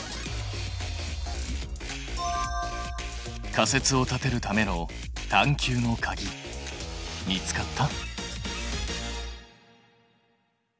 仮説を立てるための探究のかぎ見つかった？